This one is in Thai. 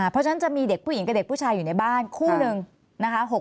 เพราะฉะนั้นจะมีเด็กผู้หญิงกับเด็กผู้ชายอยู่ในบ้านคู่หนึ่งนะคะ